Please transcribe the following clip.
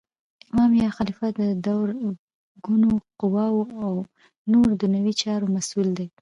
امام یا خلیفه د درو ګونو قوواو او نور دنیوي چارو مسول دی.